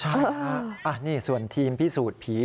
ใช่ฮะนี่ส่วนทีมพิสูจน์ผี